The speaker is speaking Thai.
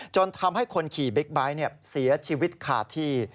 จนทำให้คนขี่บิ๊กไบท์เสียชีวิตขาดที่